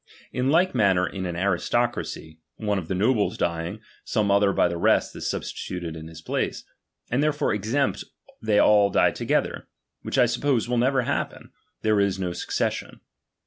In like manner in an aristocracy, one of the nobles dying, some other by the rest is substituted in his place ; and therefore except they all die together, which I suppose will never happen, there Is no succession.